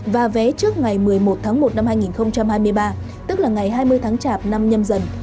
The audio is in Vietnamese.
và vé trước ngày một mươi một tháng một năm hai nghìn hai mươi ba tức là ngày hai mươi tháng chạp năm nhâm dần